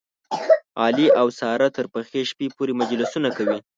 علي او ساره تر پخې شپې پورې مجلسونه کوي.